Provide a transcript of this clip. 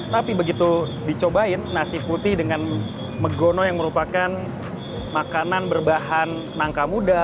tapi begitu dicobain nasi putih dengan megono yang merupakan makanan berbahan nangka muda